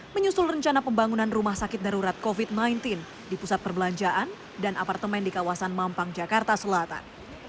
menyusul rencana pembangunan rumah sakit darurat covid sembilan belas di pusat perbelanjaan dan apartemen di kawasan mampang jakarta selatan